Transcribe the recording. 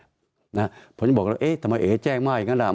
เพราะฉะนั้นบอกเอ๊ะทำไมไอ้แจ้งมากอย่างนั้นนะ